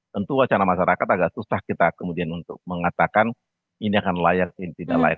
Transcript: tentu wacana masyarakat agak susah kita kemudian untuk mengatakan ini akan layak ini tidak layak